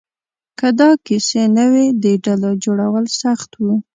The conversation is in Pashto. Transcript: که داسې کیسې نه وې، د ډلو جوړول سخت وو.